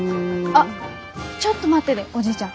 あっちょっと待ってでおじいちゃん。